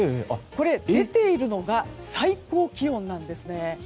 出ているのが最高気温なんです。